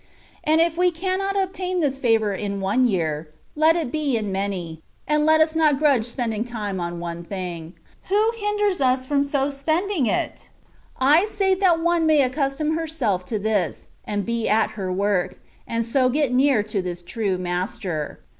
And if we cannot obtain this favour in one year, let it be in many, and let us not grudge spending time on one thing. Who hinders lis from so spending it ? I say that one may accustom herself to this, and be at her work, and so get near to this true Master.